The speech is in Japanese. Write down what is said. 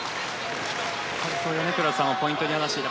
米倉さんがポイントと話していた